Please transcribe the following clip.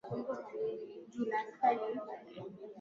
Kuna vipepeo wenye rangi tofauti tofauti za kupendeza machoni